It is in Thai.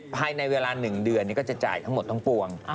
ภายในเวลาหนึ่งเดือนเนี่ยก็จะจ่ายทั้งหมดทั้งปวง